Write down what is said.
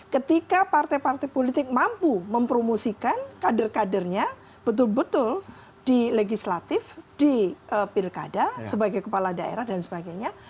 ketika partai partai politik mampu mempromosikan kader kadernya betul betul di legislatif di pilkada sebagai kepala daerah dan sebagainya